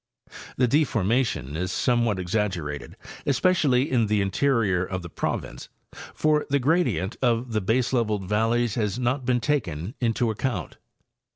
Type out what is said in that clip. The deformation is somewhat exaggerated, especially in the interior of the province, for the gradient of the baseleveled valleys has not been taken into account.